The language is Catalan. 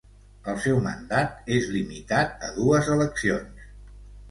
El seu mandat és limitat a dues eleccions.